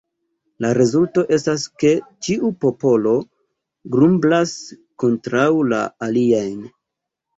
La rezulto estas ke ĉiu popolo grumblas kontraŭ la aliajn.